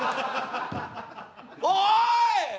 おい！